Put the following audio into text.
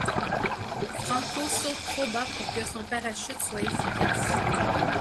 Franco saute trop bas pour que son parachute soit efficace.